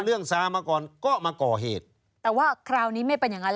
ซามาก่อนก็มาก่อเหตุแต่ว่าคราวนี้ไม่เป็นอย่างนั้น